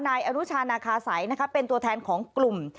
นายอนุชานาคาสัยเป็นตัวแทนของกลุ่ม